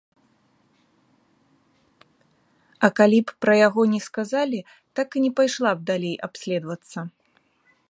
А калі б пра яго не сказалі, так і не пайшла б далей абследавацца.